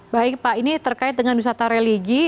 baik pak ini terkait dengan wisata religi